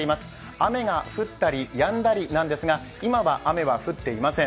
雨が降ったりやんだりなんですが、今は雨は降っていません。